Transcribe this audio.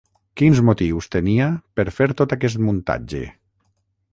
Quins motius tenia per fer tot aquest muntatge?